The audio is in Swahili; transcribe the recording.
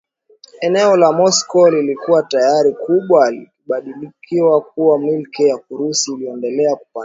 eneo la Moscow lilikuwa tayari kubwa likabadilika kuwa Milki ya Kirusi iliyoendelea kupanuka katika